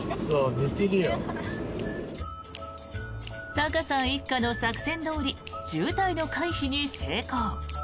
高さん一家の作戦どおり渋滞の回避に成功。